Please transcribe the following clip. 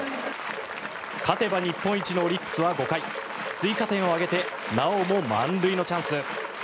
勝てば日本一のオリックスは５回追加点を挙げてなおも満塁のチャンス。